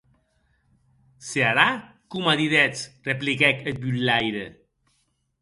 Se hará coma didetz, repliquèc eth bullaire.